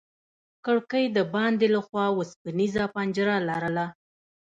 کړکۍ د باندې له خوا وسپنيزه پنجره لرله.